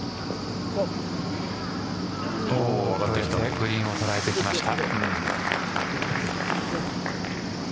グリーンを捉えてきました。